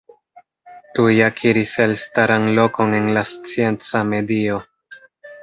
Tuj akiris elstaran lokon en la scienca medio.